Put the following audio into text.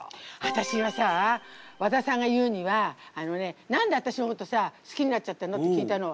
わたしはさ和田さんが言うにはあのね「何でわたしのことさ好きになっちゃったの？」って聞いたの。